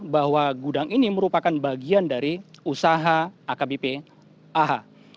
bahwa gudang ini merupakan bagian dari usaha akbpah